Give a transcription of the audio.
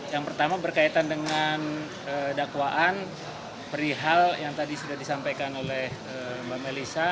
yang pertama berkaitan dengan dakwaan perihal yang tadi sudah disampaikan oleh mbak melisa